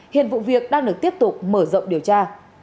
hiện vụ việc đang được tiếp tục mở rộng điều tra